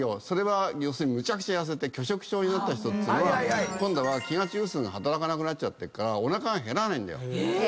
それは要するにむちゃくちゃ痩せて拒食症になった人っていうのは今度は飢餓中枢が働かなくなっちゃってるからおなかが減らないんだよ。